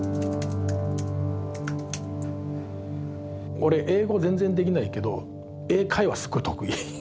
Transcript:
俺英語全然できないけど英会話すっごい得意で。